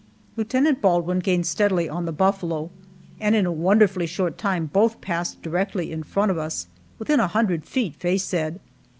Lieutenant Baldwin gained steadily on the buffalo, and in a wonderfully short time both passed directly in front of us within a hundred feet, Faye said.